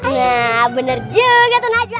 ya bener juga tuh najo